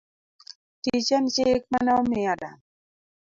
Tich en chik mane omi Adam.